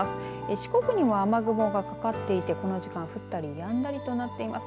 四国にも雨雲がかかっていてこの時間降ったりやんだりとなっています。